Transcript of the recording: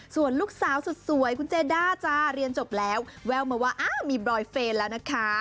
ส่วนลูกสาวสุดสวยคุณเจด้าจ้าเรียนจบแล้วแววมาว่าอ้าวมีบรอยเฟนแล้วนะคะ